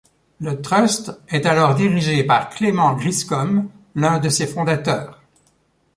Le trust est alors dirigé par Clement Griscom, l'un de ses fondateurs.